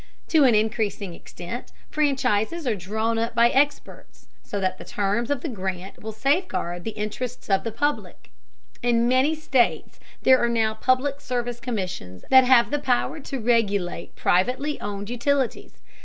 To an increasing extent, franchises are drawn up by experts, so that the terms of the grant will safeguard the interests of the public. In many states there are now public service commissions that have the power to regulate privately owned utilities.